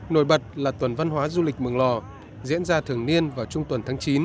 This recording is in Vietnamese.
nổi bật là tuần văn hóa du lịch mường lò diễn ra thường niên vào trung tuần tháng chín